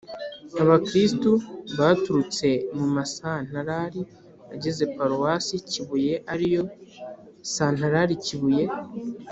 abakristu baturutse mu ma santarari agize paruwasi kibuye ariyo: santarari kibuye,